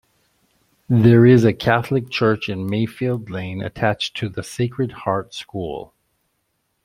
There is a Catholic church in Mayfield Lane attached to the Sacred Heart School.